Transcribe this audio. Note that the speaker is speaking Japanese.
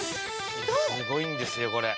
「すごいんですよこれ」